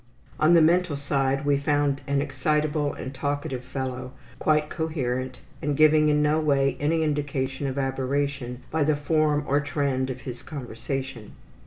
On the mental side we found an excitable and talkative fellow, quite coherent, and giving in no way any indication of aberration by the form or trend of his conversation.